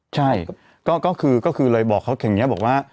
ใช่ก็คือเลยบอกเขาอย่างนี้บอกว่า